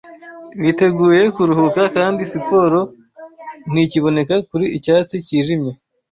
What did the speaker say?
Biteguye kuruhuka, Kandi siporo ntikiboneka Kuri Icyatsi cyijimye.